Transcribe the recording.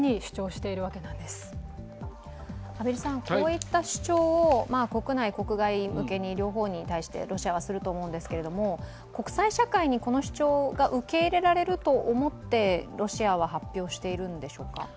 こういった主張を国内・国外向けに、両方に対してロシアはすると思うんですけれども、国際社会にこの主張が受け入れられると思ってロシアは発表しているんでしょうか？